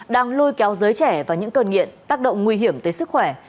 đang lôi kéo giới trẻ vào những cơn nghiện tác động nguy hiểm tới sức khỏe